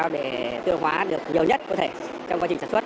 để tiêu hóa được nhiều nhất có thể trong quá trình sản xuất